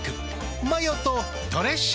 マヨとドレッシングで。